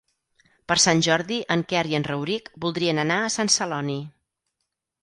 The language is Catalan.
Per Sant Jordi en Quer i en Rauric voldrien anar a Sant Celoni.